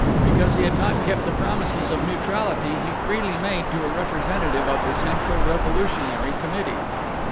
Because he had not kept the promises of neutrality he freely made to a representative of the Central Revolutionary Committee.